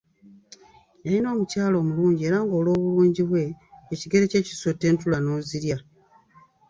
Yalina omukyala omulungi era nga olw’obulungi bwe, ekigere kye kisotta entula n’ozirya.